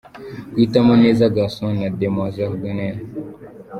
Guhitamo neza garçons na demoiselles d’honneur!.